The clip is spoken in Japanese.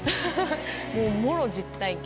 もうもろ実体験。